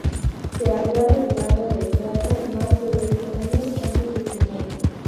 Se había retirado del teatro más de veinte años antes de su muerte.